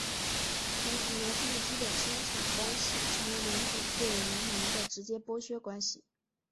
从此农村的基本生产关系成为领主对农民的直接剥削关系。